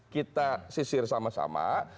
kita sisir sama sama